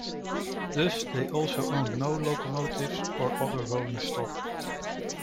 Thus they also owned no locomotives or other rolling stock.